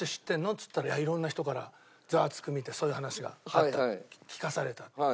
っつったら「いや色んな人から『ザワつく！』見てそういう話があったって聞かされた」。